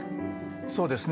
そうですね。